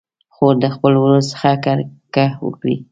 خو د خپل ورور څخه کرکه وکړي.